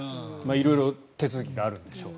色々手続きがあるんでしょう。